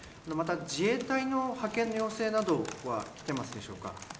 まだ自衛隊の派遣要請などはきていますでしょうか。